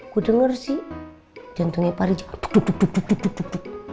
gue denger sih jantungnya pari jatuh